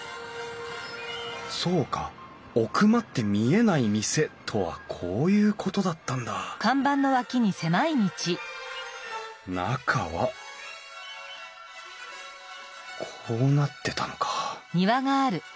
そうか「奥まって見えない店」とはこういうことだったんだ中はこうなってたのか。